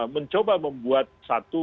mencoba membuat satu